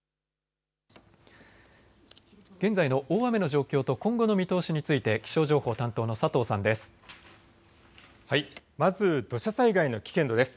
現在の大雨の状況と今後の見通しについて気象情報担当の佐藤さんです。